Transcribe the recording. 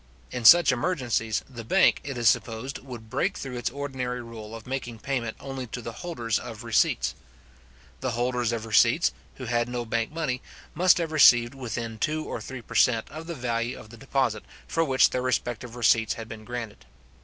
In such emergencies, the bank, it is supposed, would break through its ordinary rule of making payment only to the holders of receipts. The holders of receipts, who had no bank money, must have received within two or three per cent. of the value of the deposit for which their respective receipts had been granted.